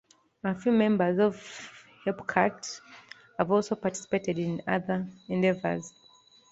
A few members of Hepcat have also participated in other endeavors.